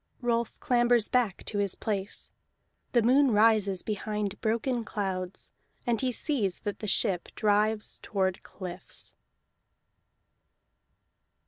Rolf clambers back to his place. The moon rises behind broken clouds, and he sees that the ship drives toward cliffs.